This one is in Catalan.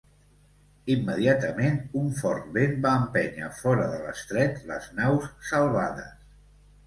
Immediatament un fort vent va empènyer fora de l'Estret les naus salvades.